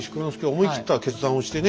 思い切った決断をしてね